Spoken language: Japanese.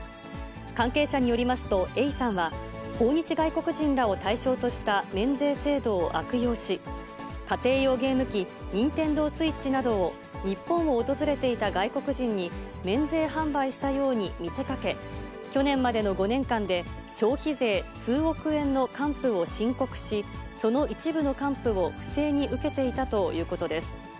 関係者によりますと、永山は、訪日外国人らを対象とした免税制度を悪用し、家庭用ゲーム機、ニンテンドースイッチなどを、日本を訪れていた外国人に免税販売したように見せかけ、去年までの５年間で、消費税数億円の還付を申告し、その一部の還付を不正に受けていたということです。